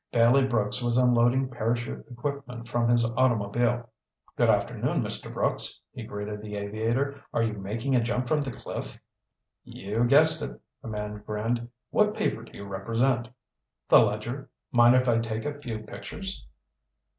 Bailey Brooks was unloading parachute equipment from his automobile. "Good afternoon, Mr. Brooks," he greeted the aviator. "Are you making a jump from the cliff?" "You've guessed it," the man grinned. "What paper do you represent?" "The Ledger. Mind if I take a few pictures?"